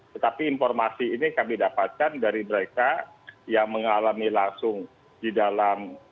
tetapi informasi ini kami dapatkan dari mereka yang mengalami langsung di dalam